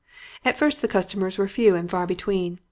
"At first the customers were few and far between.